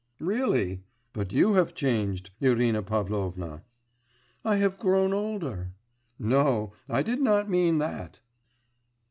'Really? But you have changed, Irina Pavlovna.' 'I have grown older.' 'No, I did not mean that.